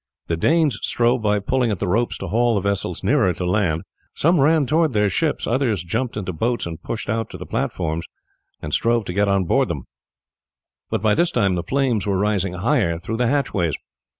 The Danes strove by pulling at the ropes to haul the vessels nearer to land. Some ran towards their ships, others jumped into boats, and pushing out to the platforms strove to get on board them; but by this time the flames were rising high through the hatchways.